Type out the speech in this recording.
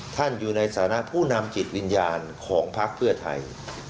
ท่านอยู่ในฐานะผู้นำจิตวิญญาณของพักเพื่อไทย